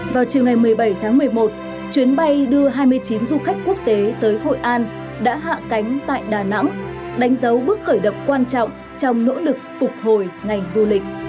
vào chiều ngày một mươi bảy tháng một mươi một chuyến bay đưa hai mươi chín du khách quốc tế tới hội an đã hạ cánh tại đà nẵng đánh dấu bước khởi động quan trọng trong nỗ lực phục hồi ngành du lịch